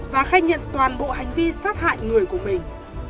và khai nhận toàn bộ hành vi sát hại người của mình